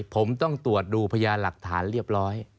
ผมต้องตรวจดูพยานหลักฐานเรียบร้อย